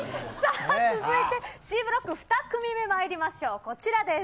続いてＣブロック２組目へまいりましょう。